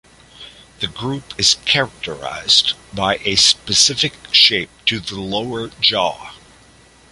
The group is characterized by a specific shape to the lower jaw.